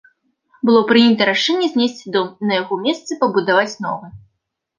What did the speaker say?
Было прынята рашэнне знесці дом і на яго месцы пабудаваць новы.